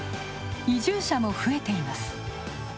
移住者も増えています。